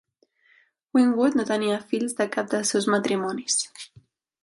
Winwood no tenia fills de cap dels seus matrimonis.